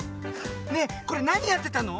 ねえこれなにやってたの？